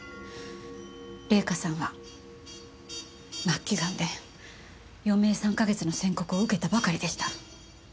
玲香さんは末期がんで余命３カ月の宣告を受けたばかりでした。